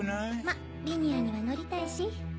まっリニアには乗りたいし。